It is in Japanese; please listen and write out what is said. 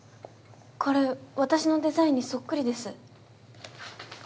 これ私のデザインにそっくりです。